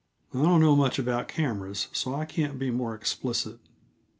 I don't know much about cameras, so I can't be more explicit.